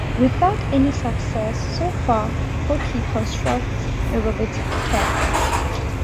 Without any success so far, Porky constructs a robotic cat.